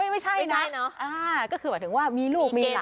เอ่อไม่ไม่ใช่นะไม่ใช่เนอะอ่าก็คือหมายถึงว่ามีลูกมีหลาน